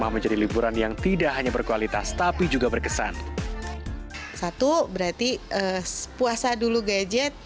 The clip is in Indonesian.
menjadi liburan yang tidak hanya berkualitas tapi juga berkesan satu berarti puasa dulu gadget